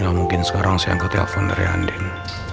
gak mungkin sekarang saya angkat telepon dari anding